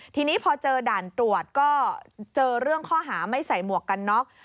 ทีนี้พอเจอด่านตรวจก็เจอเรื่องข้อหาไม่ใส่หมวกกันน็อก